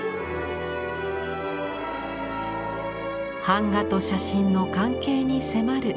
版画と写真の関係に迫る展覧会です。